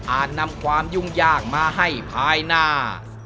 นำความยุ่งยากมาให้ภายหน้า